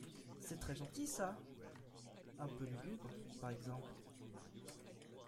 C’est très gentil ça !… un peu lugubre, par exemple…